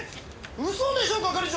嘘でしょ係長。